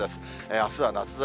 あすは夏空。